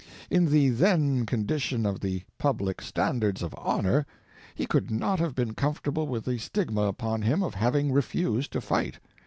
In the then condition of the public standards of honor he could not have been comfortable with the stigma upon him of having refused to fight.